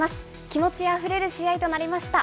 気持ちあふれる試合となりました。